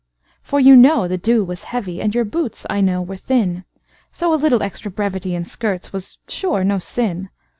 For you know the dew was heavy, And your boots, I know, were thin; So a little extra brevity in skirts was, sure, no sin.